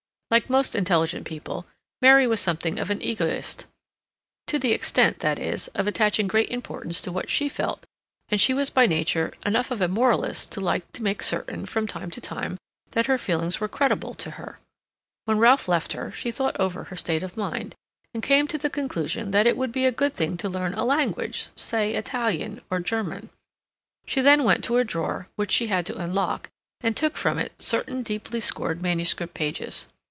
Like most intelligent people, Mary was something of an egoist, to the extent, that is, of attaching great importance to what she felt, and she was by nature enough of a moralist to like to make certain, from time to time, that her feelings were creditable to her. When Ralph left her she thought over her state of mind, and came to the conclusion that it would be a good thing to learn a language—say Italian or German. She then went to a drawer, which she had to unlock, and took from it certain deeply scored manuscript pages.